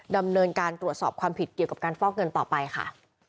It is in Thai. ดำเนินการตรวจสอบความผิดเกี่ยวกับการฟอกเงินต่อไปค่ะ